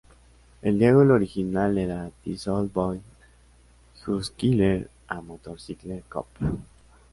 El diálogo original era "This old boy just killed a motorcycle cop".